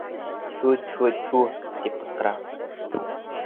— Тфү, тфү, тфү. — тип ҡысҡыра.